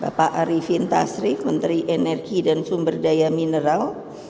bapak arifin tasrif menteri energi dan sumber daya mineral